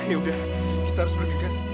ya udah kita harus bergegas